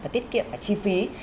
tiết kiệm và chi phí